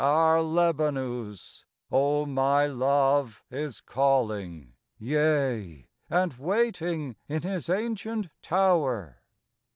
Our Lebanus, O my Love, is calling. Yea, and waiting in his ancient Tower.